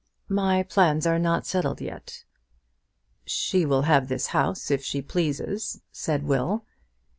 "My plans are not settled yet." "She will have this house if she pleases," said Will.